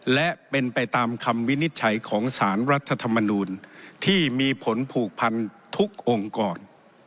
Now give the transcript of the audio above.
และเป็นไปตามคำวินิจฉัยของสารรัฐธรรมนูลที่มีผลผูกพันทุกองค์กร